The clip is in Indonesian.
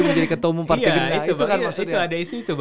menjadi ketua umum partai gerindra